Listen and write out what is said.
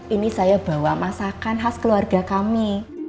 ini saya bawa masakan khas keluarga kami